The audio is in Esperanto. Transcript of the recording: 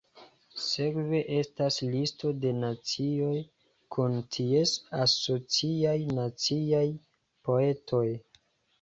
Sekve estas listo de nacioj, kun ties asociaj naciaj poetoj.